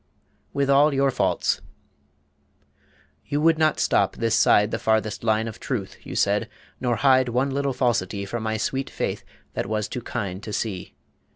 WITH ALL YOUR FAULTS You would not stop this side the farthest line Of Truth, you said, nor hide one little falsity From my sweet faith that was too kind to see.